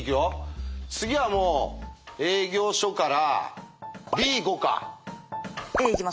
次はもう営業所からＡ行く？